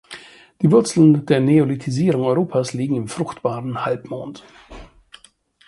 Die Wurzeln der Neolithisierung Europas liegen im Fruchtbaren Halbmond.